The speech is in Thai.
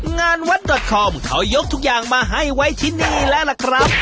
งานวัดดอตคอมเขายกทุกอย่างมาให้ไว้ที่นี่แล้วล่ะครับ